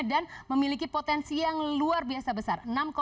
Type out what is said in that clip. dan memiliki potensi yang luar biasa besar